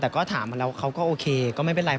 แต่ก็ถามมาแล้วเขาก็โอเคก็ไม่เป็นไร